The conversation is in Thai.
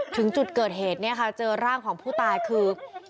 ถึงจุดเกิดเหตุเนี่ยค่ะเจอร่างของผู้ตายคือ